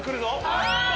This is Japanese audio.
あっと！